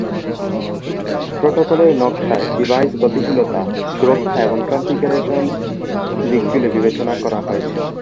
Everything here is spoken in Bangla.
প্রোটোকলের নকশায় ডিভাইস গতিশীলতা, সুরক্ষা এবং কনফিগারেশন দিকগুলি বিবেচনা করা হয়েছে।